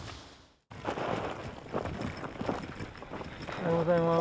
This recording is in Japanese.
・おはようございます。